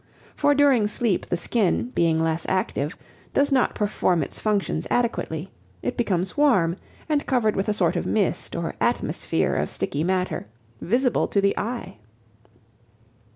For during sleep the skin, being less active, does not perform its functions adequately; it becomes warm and covered with a sort of mist or atmosphere of sticky matter, visible to the eye.